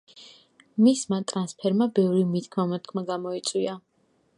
მისმა ტრანსფერმა ბევრი მითქმა-მოთქმა გამოიწვია.